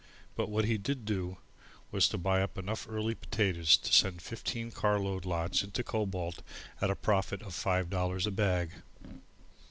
But what he did do, was to buy up enough early potatoes to send fifteen carload lots into Cobalt at a profit of five dollars a bag.